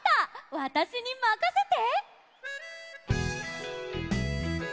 わたしにまかせて！